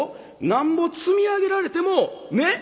なんぼ積み上げられてもねっ？